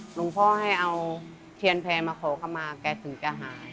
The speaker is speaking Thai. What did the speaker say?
หลวงพ่อให้เอาเทียนแพรมาขอคำมาแกถึงจะหาย